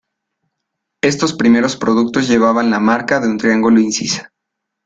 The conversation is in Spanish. Estos primeros productos llevaban la marca de un triángulo incisa.